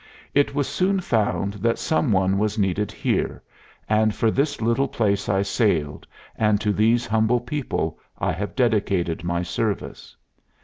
It was soon found that some one was needed here, and for this little place I sailed, and to these humble people I have dedicated my service.